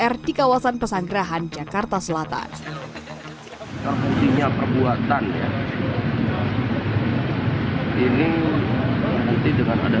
r di kawasan pesanggerahan jakarta selatan terbuktinya perbuatan ya ini nanti dengan ada